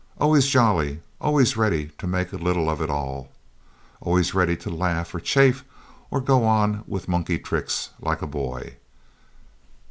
Always jolly, always ready to make little of it all. Always ready to laugh or chaff or go on with monkey tricks like a boy.